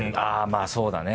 まあそうだね。